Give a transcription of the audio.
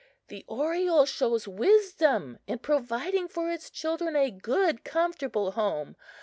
The oriole shows wisdom in providing for its children a good, comfortable home!